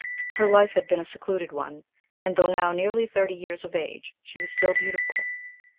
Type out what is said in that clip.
Her life had been a secluded one, and though now nearly thirty years of age, she was still beautiful.